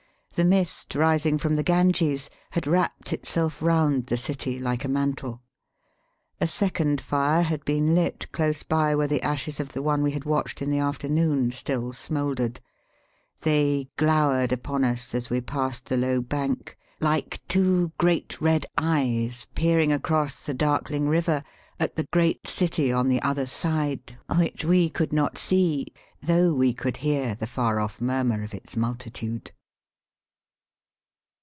The mist, rising from the Ganges, had wrapped itself round the city like a mantle. A second fire had been lit close by where the ashes of the one we had watched in the afternoon stiU smouldered. They glowered upon us as we passed the low bank Uke two great red eyes peering across the darkling river at the great city on the other side, which we could not see, though we could hear the far off murmur of its multitude.